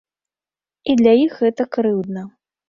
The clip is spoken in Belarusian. І для іх гэта крыўдна.